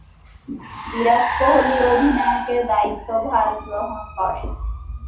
বিরাট কোহলি অধিনায়কের দায়িত্বভার গ্রহণ করেন।